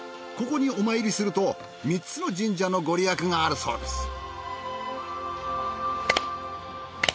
ここにお参りすると３つの神社のご利益があるそうです。